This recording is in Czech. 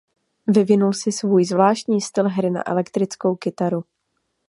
Vyvinul si svůj zvláštní styl hry na elektrickou kytaru.